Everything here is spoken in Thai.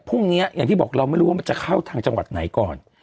อย่างที่บอกเราไม่รู้ว่ามันจะเข้าทางจังหวัดไหนก่อน